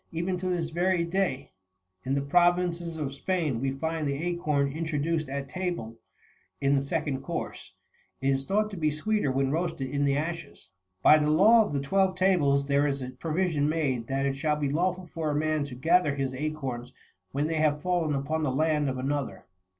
Even to this very day, in the provinces of Spain,40 we find the acorn introduced at table in the second course : it is thought to be sweeter when roasted in the ashes. By the law of the Twelve Tables, there is a provision made that it shall be lawful for a man to gather his acorns when they have fallen upon the land of another.